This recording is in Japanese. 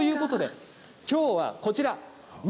きょうはこちらです。